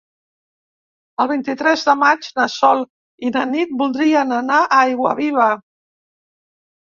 El vint-i-tres de maig na Sol i na Nit voldrien anar a Aiguaviva.